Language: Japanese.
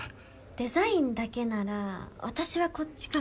デザインだけなら私はこっちかな。